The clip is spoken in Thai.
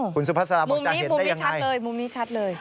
คุณสุพัสราบอกจะเห็นได้ยังไงมุมนี้ชัดเลย